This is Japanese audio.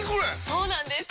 そうなんです！